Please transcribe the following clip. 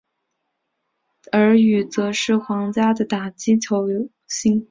而与则是皇家的打击球星。